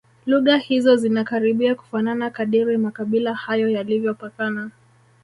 Lugha hizo zinakaribia kufanana kadiri makabila hayo yalivyopakana